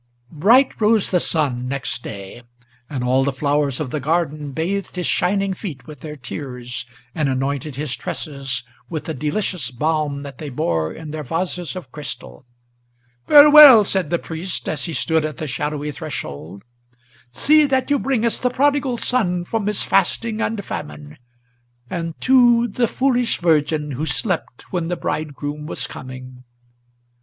Bright rose the sun next day; and all the flowers of the garden Bathed his shining feet with their tears, and anointed his tresses With the delicious balm that they bore in their vases of crystal. "Farewell!" said the priest, as he stood at the shadowy threshold; "See that you bring us the Prodigal Son from his fasting and famine, And, too, the Foolish Virgin, who slept when the bridegroom was coming."